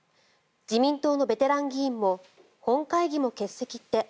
自民党のベテラン議員も本会議も欠席って。